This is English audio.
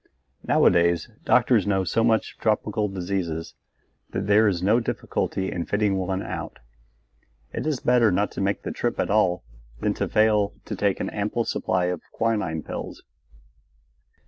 Nowadays doctors know so much of tropical diseases that there is no difficulty in fitting one out. It is better not to make the trip at all than to fail to take an ample supply of quinine pills.